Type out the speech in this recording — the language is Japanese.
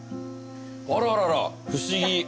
あららら不思議。